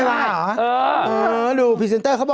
มาเหมือนนะ